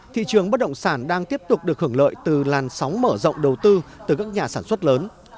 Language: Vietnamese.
thị trường bất động sản đang tiếp tục được hưởng lợi từ làn sóng mở rộng đầu tư từ các nhà sản xuất lớn